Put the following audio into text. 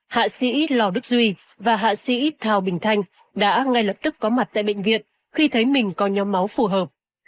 hạ sĩ lò đức duy và hạ sĩ thào bình thanh đã ngay lập tức có mặt tại bệnh viện khi thấy mình có nhóm máu phù hợp